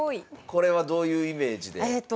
これはどういうイメージで？